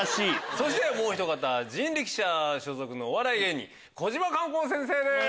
そしてもうひと方人力舎所属のお笑い芸人こじま観光先生です。